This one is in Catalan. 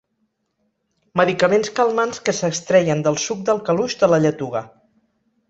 Medicaments calmants que s'extreien del suc del caluix de la lletuga.